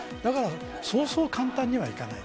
そうそう簡単にはいかない。